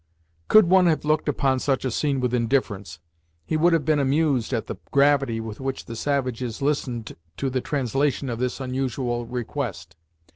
Could one have looked upon such a scene with indifference, he would have been amused at the gravity with which the savages listened to the translation of this unusual request.